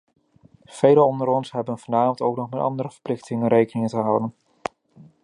Velen onder ons hebben vanavond ook nog met andere verplichtingen rekening te houden.